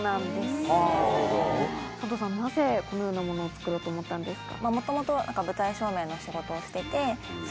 なぜこのようなものを作ろうと思ったんですか？